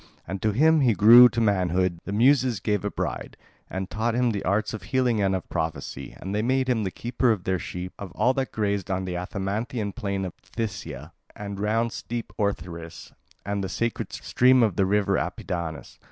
And to him when he grew to manhood the Muses gave a bride, and taught him the arts of healing and of prophecy; and they made him the keeper of their sheep, of all that grazed on the Athamantian plain of Phthia and round steep Othrys and the sacred stream of the river Apidanus.